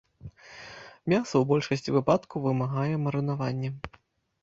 Мяса ў большасці выпадкаў вымагае марынавання.